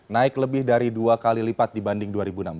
naik lebih dari dua kali lipat dibanding dua ribu enam belas